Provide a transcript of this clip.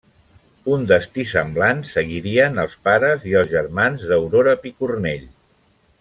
Un destí semblant seguirien els pares i els germans d'Aurora Picornell.